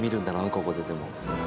ここででも。